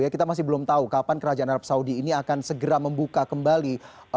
kita masih belum tahu kapan kerajaan arab saudi ini akan segera membuka kembali